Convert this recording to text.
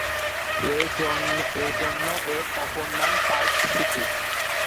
এজন্য এর অপর নাম "পার্ক সিটি।"